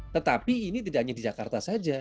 tetapi ini tidak hanya di jakarta saja